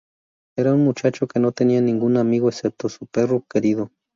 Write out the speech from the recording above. Era un muchacho que no tenía ningún amigo excepto su perro querido.